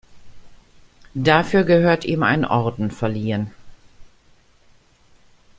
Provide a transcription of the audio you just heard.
Dafür gehört ihm ein Orden verliehen.